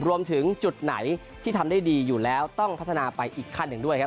รวมถึงจุดไหนที่ทำได้ดีอยู่แล้วต้องพัฒนาไปอีกขั้นหนึ่งด้วยครับ